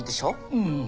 うん。